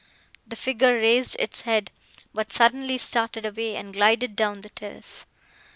The figure raised its head but suddenly started away, and glided down the terrace.